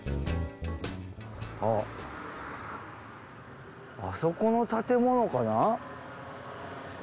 あっあそこの建物かな？